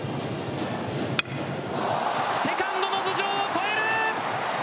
セカンドの頭上を越える！